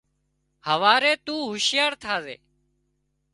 هواري تُون هُوشيار ٿازي